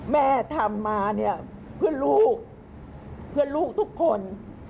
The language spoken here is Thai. แม่ทำมาเนี่ยเพื่อนลูกเพื่อนลูกทุกคน